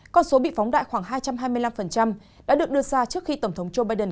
con số bị phóng đại khoảng hai trăm hai mươi năm đã được đưa ra trước khi tổng thống joe biden